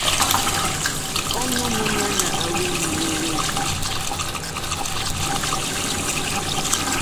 Ònô múɲánà à hwélì wòòwê.